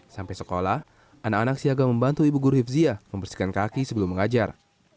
sampai sekolah anak anak siaga membantu ibu guru hipzia membersihkan kaki sebelum mengajar